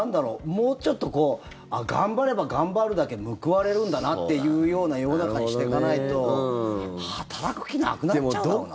もうちょっと頑張れば頑張るだけ報われるんだなというような世の中にしていかないと働く気なくなっちゃうだろうな。